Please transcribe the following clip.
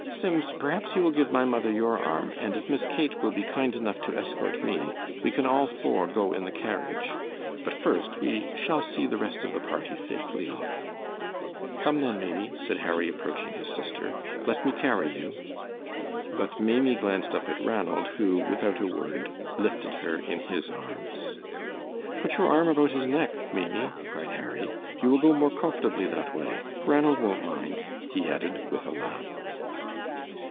"Sims, perhaps you will give my mother your arm, and if Miss Kate will be kind enough to escort me, we can all four go in the carriage; but first we shall see the rest of the party safely off." "Come, then, Maimie," said Harry, approaching his sister; "let me carry you." But Maimie glanced up at Ranald, who without a word, lifted her in his arms. "Put your arm about his neck, Maimie," cried Harry, "you will go more comfortably that way. Ranald won't mind," he added, with a laugh.